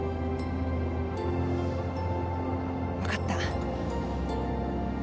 分かった。